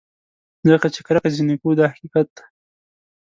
ځکه چې کرکه ځینې کوو دا حقیقت دی.